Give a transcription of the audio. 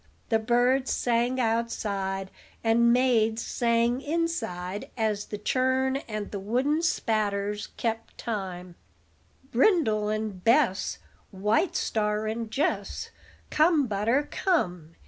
The birds sang outside, and maids sang inside, as the churn and the wooden spatters kept time: "Brindle and Bess, White star and Jess Come, butter, come!